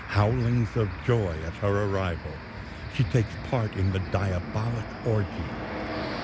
Howlings of joy at her arrival ... she takes part in the diabolic orgy....